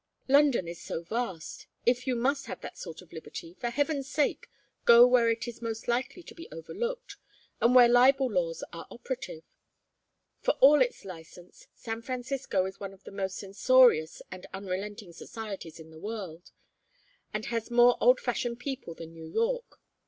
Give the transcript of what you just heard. "London is so vast if you must have that sort of liberty, for heaven's sake go where it is most likely to be overlooked and where libel laws are operative. For all its license, San Francisco is one of the most censorious and unrelenting societies in the world, and has more old fashioned people than New York.